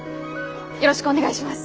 よろしくお願いします！